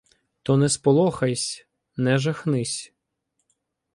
То не сполохайсь, не жахнись.